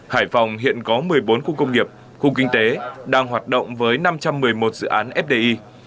hải phòng hiện có một mươi bốn khu công nghiệp khu kinh tế đang hoạt động với năm trăm một mươi một dự án fdi